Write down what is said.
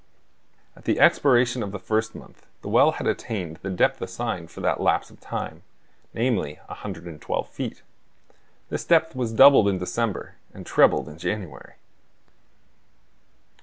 At the expiration of the first month the well had attained the depth assigned for that lapse of time, namely, 112 feet. This depth was doubled in December, and trebled in January.